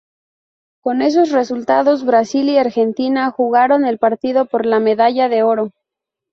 Con esos resultados, Brasil y Argentina jugaron el partido por la medalla de oro.